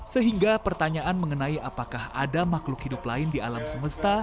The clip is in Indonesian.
sehingga pertanyaan mengenai apakah ada makhluk hidup lain di alam semesta